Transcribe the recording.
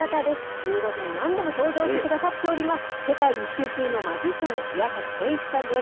ゆう５時に何度も登場してくださっております、世界一周中のマジシャン、岩崎圭一さんです。